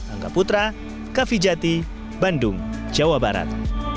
angga putra kavijati bandung jawa barat